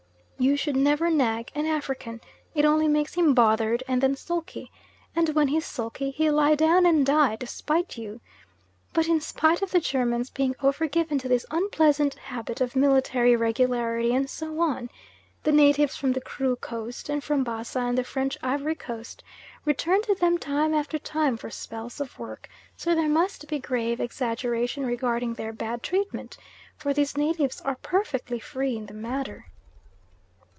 You should never nag an African, it only makes him bothered and then sulky, and when he's sulky he'll lie down and die to spite you. But in spite of the Germans being over given to this unpleasant habit of military regularity and so on, the natives from the Kru Coast and from Bassa and the French Ivory Coast return to them time after time for spells of work, so there must be grave exaggeration regarding their bad treatment, for these natives are perfectly free in the matter.